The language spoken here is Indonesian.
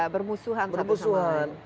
bermusuhan satu sama lain